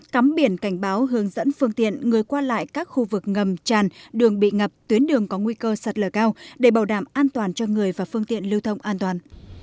cắm biển cảnh báo hướng dẫn phương tiện người qua lại các khu vực ngầm tràn đường bị ngập tuyến đường có nguy cơ sạt lở cao để bảo đảm an toàn cho người và phương tiện lưu thông an toàn